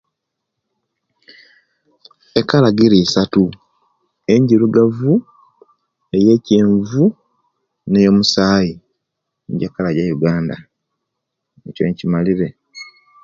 Ekala jiri isatu enjirugavu, eyekyenvu neyokinamusayi niyo ekala ya'uganda ekyo inkimalire.